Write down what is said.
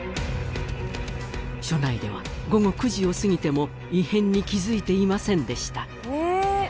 署内では午後９時を過ぎても異変に気づいていませんでした